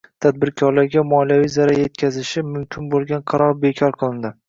Tadbirkorga moliyaviy zarar yetkazishi mumkin bo‘lgan qaror bekor qilinding